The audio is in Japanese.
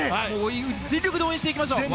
全力で応援していきましょう。